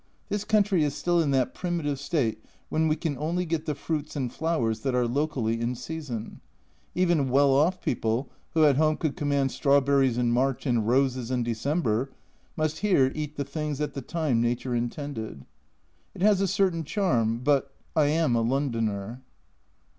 This country is still in that primitive state when we can only get the fruits and flowers that are locally in season. Even well off people, who at home could command strawberries in March and roses in December, must here eat the things at the time Nature intended. It has a certain charm but I am a Londoner.